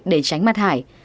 để tránh mặt hải